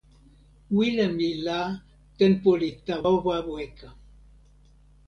wile mi la tenpo li tawa wawa weka.